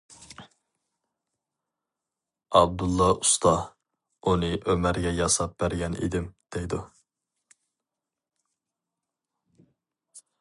ئابدۇللا ئۇستا: ئۇنى ئۆمەرگە ياساپ بەرگەن ئىدىم دەيدۇ.